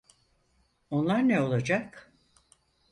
Onlar ne olacak?